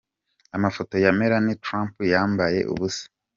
Amafoto ya Melanie Trump yambaye ubusa.